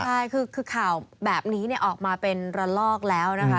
ใช่คือข่าวแบบนี้ออกมาเป็นระลอกแล้วนะคะ